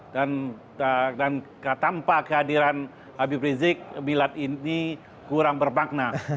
dan tanpa kehadiran habib rizik milad ini kurang bermakna